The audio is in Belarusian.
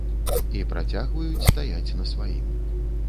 І працягваюць стаяць на сваім.